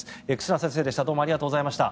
忽那先生でした。